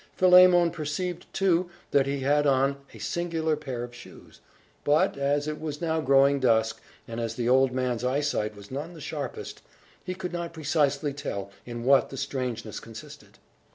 Philemon perceived, too, that he had on a singular pair of shoes; but, as it was now growing dusk, and as the old man's eyesight was none the sharpest, he could not precisely tell in what the strangeness consisted.